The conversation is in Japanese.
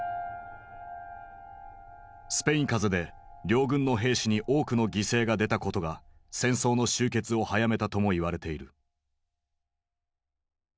スペイン風邪で両軍の兵士に多くの犠牲が出たことが戦争の終結を早めたとも言われている。